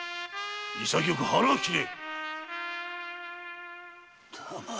潔く腹を切れっ！